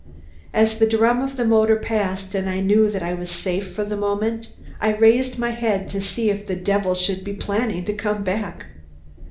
As the drum of the motor passed and I knew that I was safe for the moment, I raised my head to see if the devil should be planning to come back.